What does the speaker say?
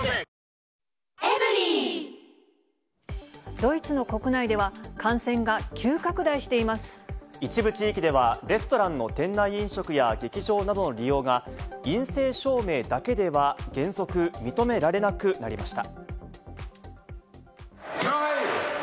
ドイツの国内では、感染が急一部地域では、レストランの店内飲食や劇場などの利用が陰性証明だけでは原則認められなくなりました。